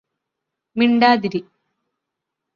മിണ്ടാതിരി